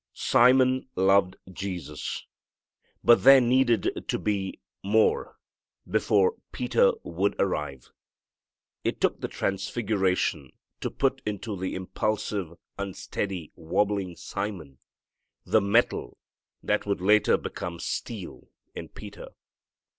Simon loved Jesus, but there needed to be more before Peter would arrive. It took the transfiguration to put into the impulsive, unsteady, wobbling Simon the metal that would later become steel in Peter.